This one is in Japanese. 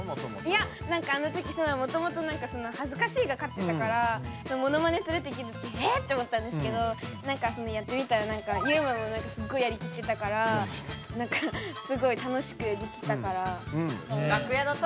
いやなんかあのときもともとはずかしいが勝ってたからモノマネするって聞いたとき「え⁉」って思ったんですけどやってみたらユウマもすごいやりきってたからすごい楽しくできたから。